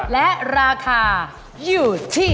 และราคาอยู่ที่